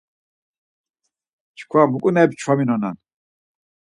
Çkva mu ǩonari pçvaminonan?